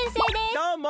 どうも！